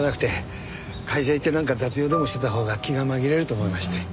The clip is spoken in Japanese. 会社行ってなんか雑用でもしてたほうが気が紛れると思いまして。